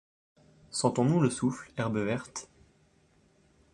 Sentons-nous le souffle, herbe verte ?